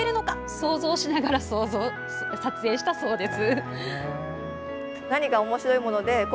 想像しながら撮影したそうです。